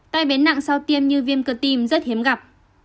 tai biến nặng sau tiêm như viêm cơ tim rất hiếm gặp